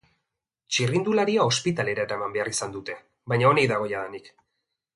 Txirrindularia ospitalera eraman behar izan dute dute, baina onik dago jadanik.